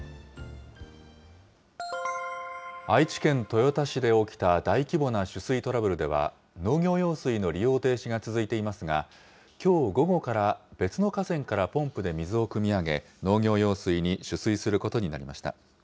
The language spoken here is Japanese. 愛知県豊田市で起きた大規模な取水トラブルでは、農業用水の利用停止が続いていますが、きょう午後から別の河川からポンプで水をくみ上げ、農業用水に取水することになりました。